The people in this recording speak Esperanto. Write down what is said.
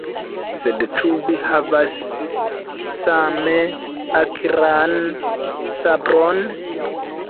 Sed ĉu vi havas same akran sabron?